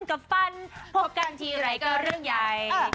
กับฟันพบกันทีไรก็เรื่องใหญ่